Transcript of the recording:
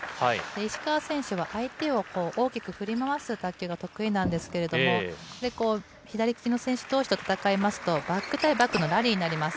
石川選手は相手を大きく振り回す卓球が得意なんですけれども、左利き選手どうしと戦いますと、バック対バックのラリーになります。